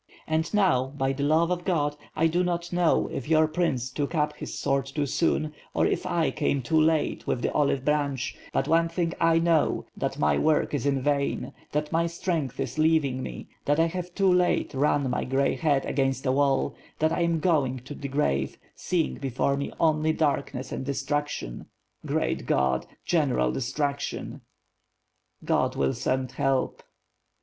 And now, by the love of God, I do not know if your prince took up his sword too soon, or if I came too late with the ohve branch; but one thing I know, that my work is in vain, thai my strength is leaving me, that I have too late run my grey head against a wall; that I am going to the grave, seeing before me only darkness and destruction. Great God! — ^general destruction." "God will send help."